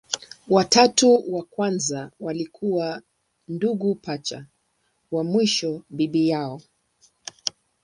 Watatu wa kwanza walikuwa ndugu pacha, wa mwisho bibi yao.